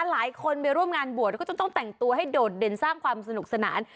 หลายคนไปร่วมงานบวชก็จะต้องแต่งตัวให้โดดเด่นสร้างความสนุกสนาน